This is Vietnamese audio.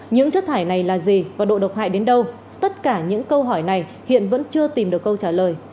những chất thải này là gì và độ độc hại đến đâu tất cả những câu hỏi này hiện vẫn chưa tìm được câu trả lời